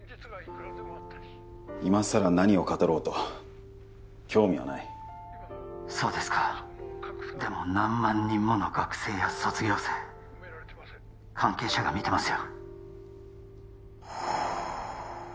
今さら何を語ろうと興味はないそうですかでも何万人もの学生や卒業生関係者が見てますよ